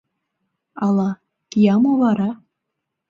Ала, кия мо вара?